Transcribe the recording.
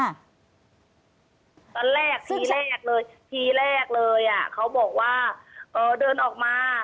ตั้งแต่ทีแรกเลยเขาบอกว่าเดินออกมา